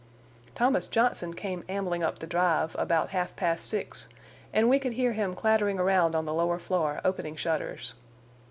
Thomas Johnson came ambling up the drive about half past six, and we could hear him clattering around on the lower floor, opening shutters.